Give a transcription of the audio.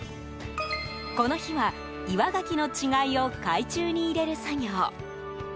この日は、岩ガキの稚貝を海中に入れる作業。